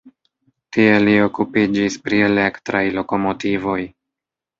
Tie li okupiĝis pri elektraj lokomotivoj.